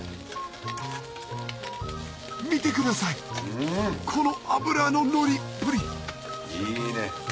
見てくださいこの脂ののりっぷりいいね。